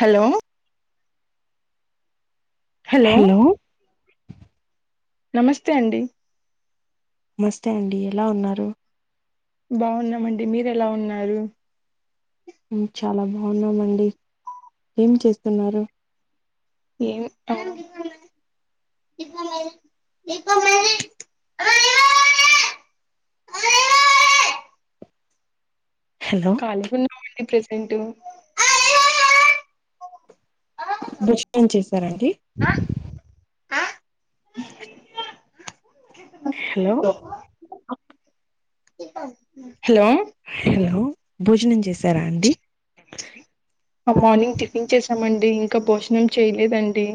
Hello hello నమస్తే అండి మస్తే అండి ఎలా ఉన్నారు బాగున్నామండి మీరు ఎలా ఉన్నారు మెం చాలా బాగున్నామండి ఏం చేస్తున్నారు ఏం ఆ హలో ఖాళీగా ఉన్నామండి ప్రజెంటూ భోజనం చేసారండి హలో హలో హలో భోజనం చేసారా అండి ఆ మార్నింగ్ టిఫిన్ చేసామండి ఇంకా భోజనం చేయలేదండి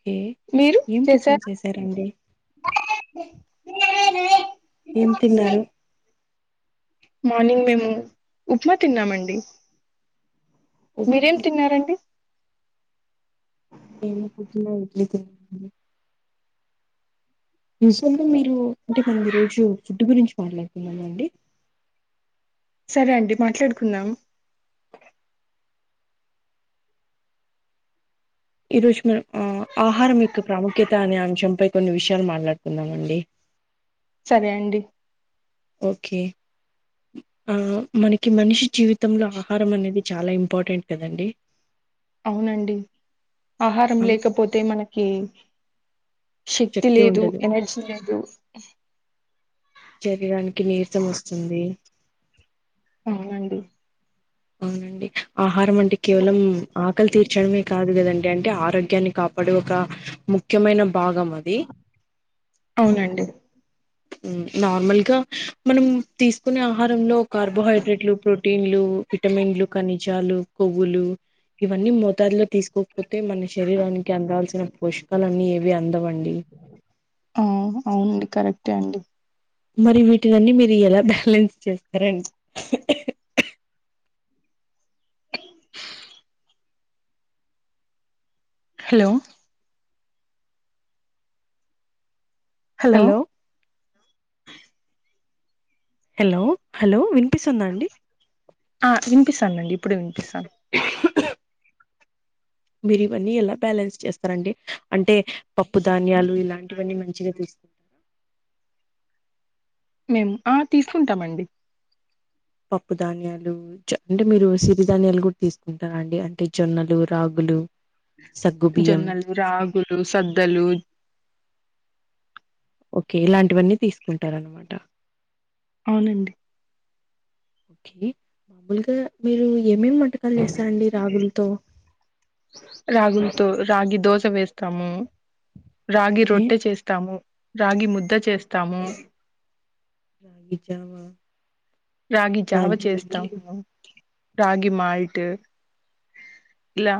కే మీరు ఏం టిఫిన్ చేసారా చేసారండి ఏం తిన్నారు మార్నింగ్ మేము ఉప్మా తిన్నామండి ఉప్మా మీరేం తిన్నారండి మేము పొద్దున ఇడ్లీ తిన్నామండీ విజువల్ గా మీరు అంటే మనం ఈరోజు ఫుడ్ గురించి మాట్లాడుతున్నామ అండి సరే అండి మాట్లాడుకుందాం ఈ రోజు మనం ఆ ఆహారం యొక్క ప్రాముఖ్యత అనే అంశంపై కొన్ని విషయాలు మాట్లాడుతున్నామ అండి సరే అండి ఓకే ఆ మనకి మనిషి జీవితంలో ఆహారం అనేది చాలా ఇం ఇంపార్టెంట్ కదండి అవునండి ఆహారం లేకపోతే మనకి శక్తి లేదు ఎనర్జీ లేదు శరీరానికి నీరసం వస్తుంది అవునండి అవునండి ఆహారం అంటే కేవలం ఆకలి తీర్చడమే కాదు కదండి అంటే ఆరోగ్యాన్ని కాపాడే ఒక ముఖ్యమైన భాగమది అవునండి నార్మల్ గా మనం తీసుకునే ఆహారంలో కార్బోహైడ్రేట్లు ప్రోటీన్లు విటమిన్లు కనిజాలు కొవ్వులు ఇవన్నీ మోతాదులో తీస్ పోతే మన శరీరానికి అందవల్సిన పోషకలున్నీ ఏవి అందవండి ఆవు అవునండి కరెక్టే అండి మరి వీటినిన్నీ మీరు ఎలా బ్యాలెన్స్ చేస్తారండి హలో హలో హలో హలో వినిపిస్తుందా అండి ఆ వినిపిస్తానుండి ఇప్పుడే వినిపిస్తాదీ మీరు ఇవన్నీ ఎలా బ్యాలెన్స్ చేస్తారండి అంటే పప్పు ధాన్యాలు ఇలాంటివన్నీ మంచిగా తీసుకుంట అ మేము ఆ తీసుకుంటామండి పప్పు ధాన్యాలు అంటే మీరు సిరిధన్యాలు కూడా తీసుకుంటారా అండి అంటే జొన్నలు రాగులు సగ్గుబియ్యం జొన్నలు రగులు సద్దలు ఓకే ఇలాంటివన్నీ తీసుకుంటారన్నమాట అవునండి కే మామూలుగా మీరు ఏమేమింట రాగులతో రాగి దోస వేస్తాము రాగి ఓకే రొట్టె చేస్తాము రాగి ముద్ద చేస్తాము రాగి జావా రాగి జావ చేస్తాము రాగి మాల్ట్ ఇలా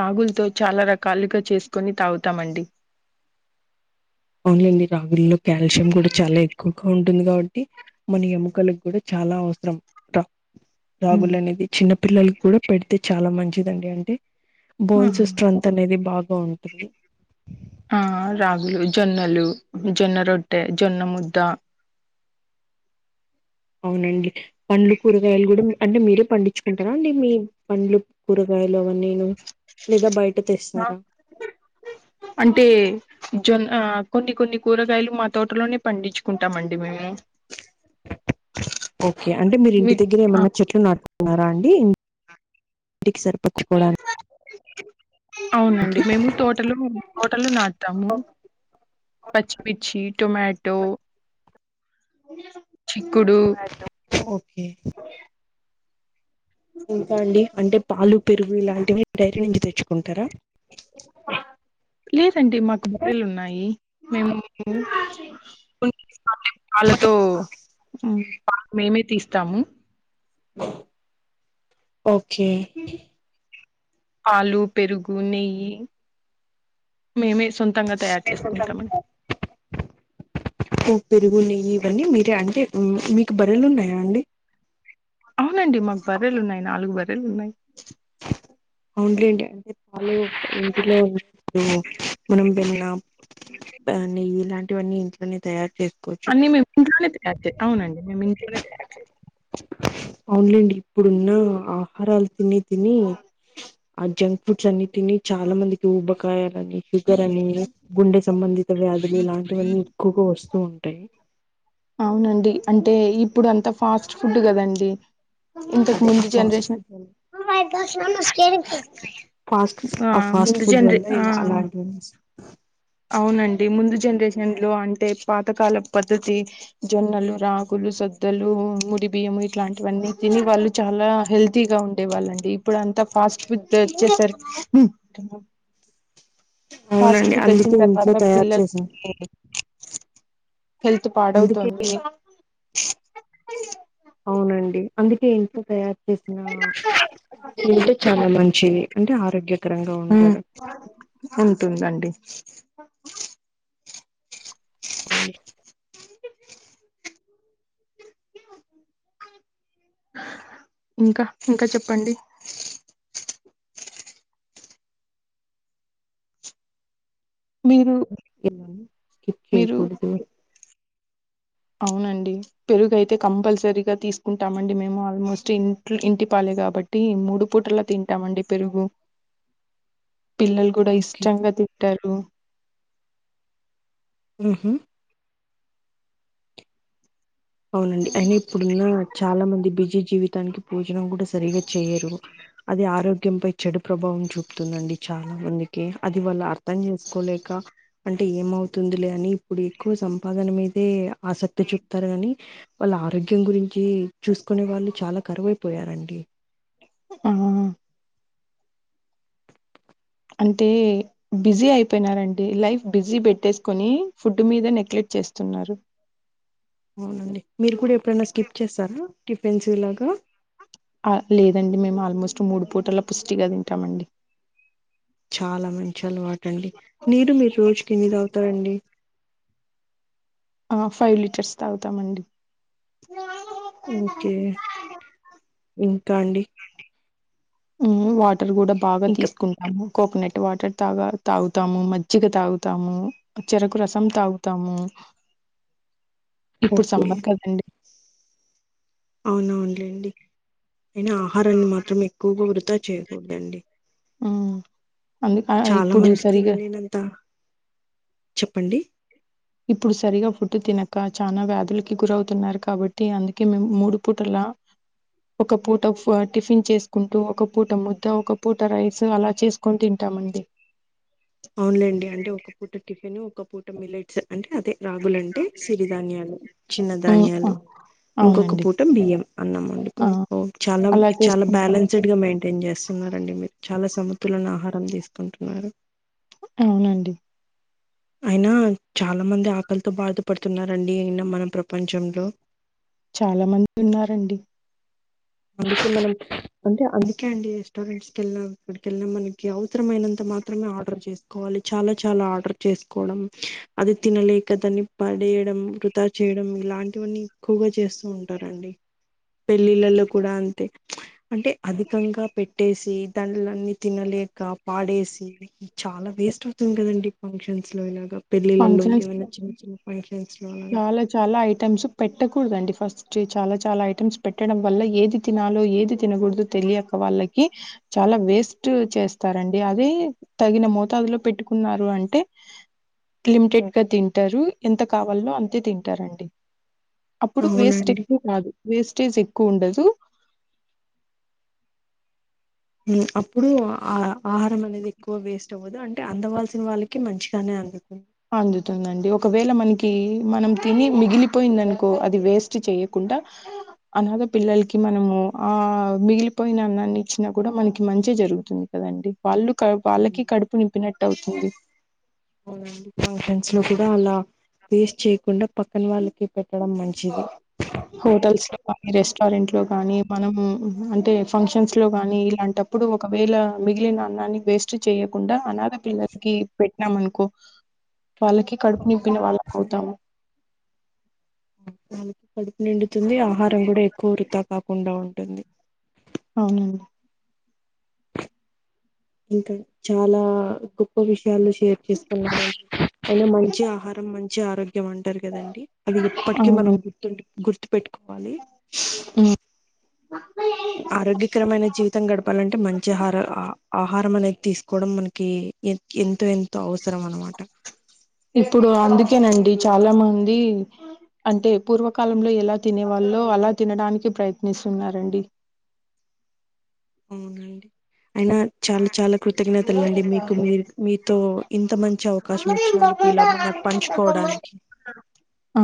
రాగులతో చాలా రకాలుగా చేసుకొని తాగుతామండి అవునలేండి రాగుల్లో కాల్షియం కూడా చాలా ఎక్కువగా ఉంటుంది. కాబట్టి మన ఎముకలకి కూడా చాలా అవసరం. హ్మ్. రాగులు అనేవి చిన్న పిల్లలకి కూడా పెడితే చాలా మంచిదండి అంటే? ఆ బోన్స్ స్ట్రెంత్ అనేది బాగా ఉంటుంది. ఆ రాగులు, జొన్నలు, జొన్న రొట్టె, జొన్న ముద్ద అవునండి పండ్లు కూరగాయలు కూడా అంటే మీరే పండించుకుంటారా అండి? మీ పండ్లు కూరగాయ లువ అన్నీను లేదా బయట తెస్తారా అంటే జొన్న, కొన్ని కొన్ని కూరగాయలు మా తోటలోనే పండించుకుంటామండి మేము ఓకే. అంటే మీరు మీ ఇంటి దగ్గర ఆ! ఏమన్నా చెట్లు నాటుతున్నారా అండి ఏంటి అవునండి మేము తోటలు, తోటలు నాటుతాము. పచ్చిమిర్చి, టొమాటో చిక్కుడు ఓకే ఇంకా అండి అంటే పాలు, పెరుగు ఇలాంటివి బయట నుంచి తెచ్చుకుంటారా లేదండి మాకు బర్రెలు ఉన్నాయి. మేము వాళ్ళతో మేమే తీస్తాము [inaudible] ఓకే పాలు, పెరుగు, నెయ్యి మేమే సొంతంగా తయారు చేసుకుంటామండి. ఓ పెరుగు, నెయ్యి ఇవన్నీ మీరే అంటే మీకు బర్రెలు ఉన్నాయా అండి. అవునండి మాకు బర్రెలు ఉన్నాయి. నాలుగు బర్రెలు ఉన్నాయి. అవును లేండి అంటే అవును, ఇంట్లో మనం బెల్లం, నెయ్యి ఇలాంటి ఇవన్నీ ఇంట్లో నేతయారు అన్నీ మే ఇంట్లోనే తయారు చేస్తారా? అవునండి మేము ఇంట్లోనే తయారుచేస్తాము. అవున్లేండి ఇప్పుడున్న ఆహారాలు తిని. తిని ఆ జంక్ ఫుడ్స్ అన్నీ తిని చాలా మందికి ఊబ్బకాయ షుగర్ అని, గుండె సంబంధిత వ్యాధులు ఇలాంటివన్నీ ఎక్కువగా వస్తూ ఉంటాయి. అవునండి, అంటే ఇప్పుడు అంత ఫాస్ట్ ఫుడ్ కదండి ఇంతకు అదే ఆ ముందు ఫాస్ట్ జనరేషన్ ఫుడ్ వల్ల ఫాస్ట్ ఆ ఫాస్ట్ ముందు ఫుడ్ జనరే వల్ల ఆ! ఇలా అలాంటివి అవునండి, ముందు జనరేషన్ లో అంటే పాతకాల పద్ధతి జొన్నలు, రాగోలు, సద్దలు, ముడి బియ్యము ఇట్లాంటివన్నీ తిని వాళ్ళు చాలా హెల్తీ గా ఉండేవాళ్ళండి. ఇప్పుడు అంతా ఫాస్ట్ ఫుడ్ వచ్చేసరికి ఫాస్ట్ అవునండి. ఫుడ్ వచ్చిన అందుకే ఇంట్లో తర్వాత తయారు పిల్లల చేసాం. హెల్త్ అందుకే పాడవుతోంది. అవునండి. అందుకే ఇంట్లో తయారు చేసిన అంటే చాలా మంచిది అంటే ఆరోగ్యకరంగా ఉంటారు. అంటుంది. [inaudible] [unintelligible] అ ఇంకా ఇంకా చెప్పండి మీరు ఎలా స్కిప్ మీరు చేయికూడదు అవునండి పెరుగయితే కంపల్సరీగా తీసుకుంటామండి మేము ఆల్మోస్ట్ ఇట్ ఇంటి పాలే కాబట్టి మూడు పూటలా తింటామండి పెరుగు [inaudible] పిల్లలు కూడా ఓకే ఇష్టంగా తింటారు ఉహామ్ అవునండి అయిన ఇప్పుడున్న చాలా మంది అది బిజీ జీవితానికి బోజనం కూడా సరిగా చేయరు అది ఆరోగ్యంపై చెడు ప్రభావం చూపుతుంది డి చాలా మందికి అది వాళ్లు అర్థం చేసుకోలేక అంటే ఏమవుతుందిలే అని ఇప్పుడు ఎక్కువ సంపాదన మీదే ఆసక్తి చూపుతారు కాని వాళ్ళ ఆరోగ్యం గురించి చూసుకునే వాళ్ళు చాలా కరువైపోయారండి ఆ అంటే బిజీ అయిపోయినారండి లైఫ్ బిజీ పెట్టేసుకొని ఫుడ్ మీద నెక్లెక్ట్ చేస్తున్నారు అవునండి మీరు కూడా ఎప్పుడైనా స్కిప్ చేస్తారా టిఫిన్స్ ఇలాగా లేదండి మేము ఆల్మోస్ట్ మూడు పూటల పుష్టిగా తింటామండి చాలా మంచి అలవాటండి నీరు మీరు రోజ్కి ఎన్ని తాగుతారండీ ఆ ఫైవ్ లీటర్స్ తాగుతామండి కండి వాటర్ కూడా బాగా ఇంకా తీసుకుంటాము కోకోనట్ వాటర్ తాగా తాగుతాము మజ్జిగ తాగుతాము చెరకు రసం తాగుతాము [inaudible] ఇప్పుడు ఓకే సమ్మర్ కదండి అవునవునులేండి అయినా ఆహారాన్ని మాత్రం ఎక్కువగా వృధా చేయకూడదండి అ అందుక చాలా ఇప్పుడు మంది సరిగా తినలేనంత చెప్పండి ఇప్పుడు సరిగా ఫుడ్ తినక చాలా వ్యాధులకి గురవుతున్నారు కాబట్టి అందుకే మే మూడు పూటలా [inaudible] ఒక పూట టిఫిన్ చేసుకుంటూ ఒక పూట ముద్ద ఒక పూట రైస్ అలా చేసుకొని తింట టమండి అవునులేండి అంటే ఒక పూట టిఫిన్ ఒక పూట మిల్లెట్స్ అంటే అదే రాగుల అంటే సిరిధాన్యాలు చిన్న ఉమ్ ఆ ధాన్యాలు ఇంకొక అవునండి పూట బియ్యం ఆ అన్నమాడుకుని ఓ చాలా అలా చాలా చేసుకుంటాం బ్యాలెన్స్డ్గా మెయింటైన్ చేస్తాం రండి మీరు చాలా సమతులను ఆహారం తీసుకుంటున్నారు అవునండి అయినా చాలా మంది ఆకలితో బాధపడుతున్నారండి అయిన మన ప్రపంచంలో చాలా మంది ఉన్నారండి అందుకే మనం అంటే అందుకే అండి రెస్టారెంట్స్ విళ్ళిన ఇక్కడికెల్లిన మనకి అవసరమైనంత మాత్రమే ఆర్డర్ చేస్కోవాలి చాల చాల ఆర్డర్ చేసుకోవడం అది తినలేక దని ప చేయడం వృతా చేయడం ఇలాంటివన్నీ ఎక్కువగా చేస్తూ ఉంటారండి పెళ్ళిళ్ళలో కూడా అంతే అంటే అధికంగా పెట్టేసి దానిలన్నీ తినలేక పాడే చాలా వేస్ట్ అవుతుంది కదండి ఫంక్షన్స్ లో ఇలాగా పెళ్లిళ్లలో ఫంక్షన్స్ ఏమైన్నా చిన్న చిన్న ఫంక్షన్ చాలా చాలా యి ఐటమ్స్ పెట్టకూడదండి ఫస్ట్ చాలా చాలా ఐటమ్స్ పెట్టడం వల్ల ఏది తినాలో ఏది తినకూడదు తెలియక వాళ్ళకి చాలా వేస్ట్ చేస్తారండి అదే తగిన మోతబులు పెట్టుకు అంటే లిమిటెడ్ గా తింటారు ఎంత కా వాళ్ళు అంతే తింటారండి అప్పుడు వేస్ట్ అవునండి ఎక్కువ కాదు వేస్టేజ్ ఎక్కువ ఉండదు అప్పుడు ఆ ఆహారం అనేది ఎక్కువ వేస్ అంటే అందవలసిన వాళ్ళకి మంచిగానే అనపిసుతుంది అందుతుందండి ఒకవేళ మనకి మనం తిని మిగిలిపోయింది అనుకో అది వేస్ట్ చేయకుం డా అనాధ పిల్లలకి మనము ఆ మిగిలిపోయిన అన్నాన్ని ఇచ్చినా కూడా మనకి మంచి మంచి జరుగుతుంది కదండి వాళ్ళు క వాళ్ళకి కడుపు నింపినట్టు అవుతుంది చు కూడా అలా వేస్ట్ చేయకుండా పక్కన వాళ్ళకి పెట్టడం మంచిది హోటల్స్ లో కాని రెస్టారెంట్ లో కాని మనము అంటే ఫంక్షన్స్ లో గాని ఇలాంటప్పుడు ఒకవేళ మిగిలిన అన్నాన్ని వేస్ట్ చెయ్యకుండా అనాదా పిల్లలకి పెట్టినాం అనుకో వాళ్ళకి కడుపు నింపిన వాళ్ళకి అవుతాము వాళ్ళుకి కడుపు నిండుతుంది ఆహారం కూడా ఎక్కువ వృతా కాకుండా ఉంటుంది అవునండి [inaudible] ఇంకా చాలా గొప్ప విషయాను షేర్ చేసుకు అనా మంచిగా ఆహారం మంచి ఆరోగ్య మంటారు కదండి అది ఎప్పటికీ మనం అవునండి గుర్తు గుర్తు పెట్టుకోవాలి హ్మ్. ఆరోగ్యకరమైన జీవితం గడపాలంటే మంచి హార ఆ హా ఆహారం అనేది తీసుకోవడం మనకి ఎంతో ఎంతో అవస ఇప్పుడు అందుకేనండి చాలా మంది అంటే పూర్వకాలంలో ఎలా తినే వాళ్ళ అలా తినడానికి ప్రయత్నిస్తున్నారండి అవునండి అయినా చాలా చాలా కృతజ్ఞతలు అండి మీకు మీ మీతో ఇంత మంచి అవకాశం ఇచ్చినందుకు ఇలా మనకు పంచుకోవడానికి ఆ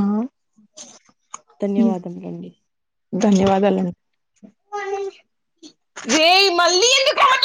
ధన్యవాదములండి ధన్యవాదాలండి రే మల్ి ద కొంట